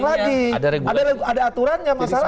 ada aturannya masalahnya